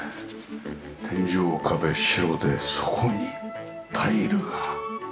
天井は壁白でそこにタイルが。